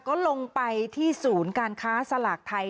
ก็ลงไปที่ศูนย์การค้าสลากไทย